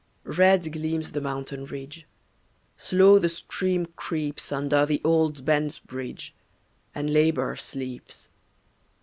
Red gleams the mountain ridge, Slow the stream creeps Under the old bent bridge, And labor sleeps.